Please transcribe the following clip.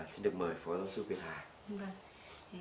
xin được mời phó giáo sư việt hà